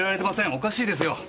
おかしいですよ！